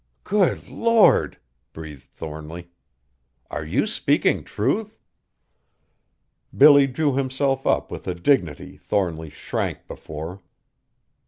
"Good Lord!" breathed Thornly, "are you speaking truth?" Billy drew himself up with a dignity Thornly shrank before.